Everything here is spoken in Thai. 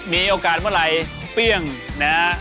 มีโอกาสเมื่อไรเปรี้ยงนะครับ